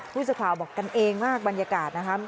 พุทธเวลาบอกกันเองมากบรรยากาศนะครับ